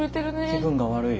「気分が悪い」。